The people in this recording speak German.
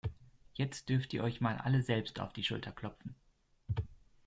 Jetzt dürft ihr euch mal alle selbst auf die Schulter klopfen.